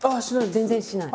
全然しない？